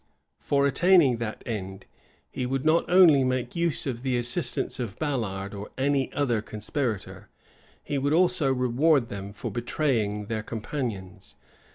For attaining that end, he would not only make use of the assistance of Ballard or any other conspirator; he would also reward them for betraying their companions.